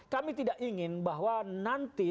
kami tidak ingin bahwa nanti